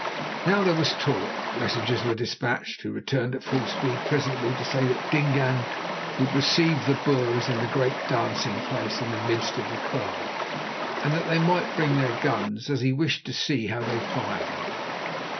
Now there was talk, and messengers were despatched, who returned at full speed presently to say that Dingaan would receive the Boers in the great dancing place in the midst of the kraal, and that they might bring their guns, as he wished to see how they fired them.